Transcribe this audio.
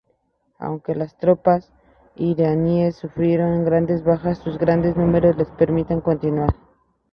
Aunque las tropas iraníes sufrieron grandes bajas, sus grandes números les permitían continuar.